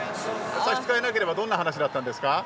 差し支えなければどんな話だったんですか。